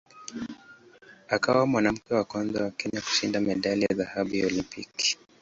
Akawa mwanamke wa kwanza wa Kenya kushinda medali ya dhahabu ya Olimpiki.